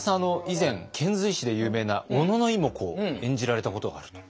以前遣隋使で有名な小野妹子を演じられたことがあると。